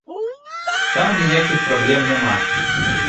Там ніякіх праблем няма.